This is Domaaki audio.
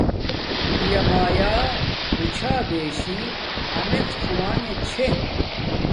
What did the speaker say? پیا مایا بوچھا بیشی امڎ کھوانگے چھے